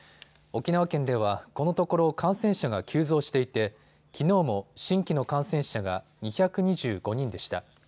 沖縄県ではこのところ感染者が急増していてきのうも新規の感染者が２２５人でした。